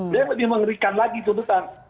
dia lebih mengerikan lagi tuntutan